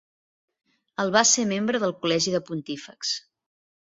El va ser membre del col·legi de pontífexs.